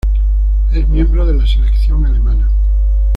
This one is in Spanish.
Es miembro de la selección alemana.